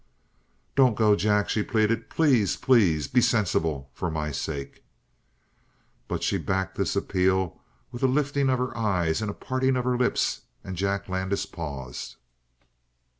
"Don't go, Jack," she pleaded. "Please! Please! Be sensible. For my sake!" She backed this appeal with a lifting of her eyes and a parting of her lips, and Jack Landis paused.